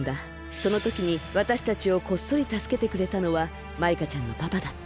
そのときにわたしたちをこっそりたすけてくれたのはマイカちゃんのパパだった。